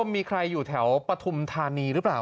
มีใครอยู่แถวปฐุมธานีหรือเปล่า